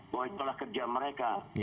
bahwa itulah kerja mereka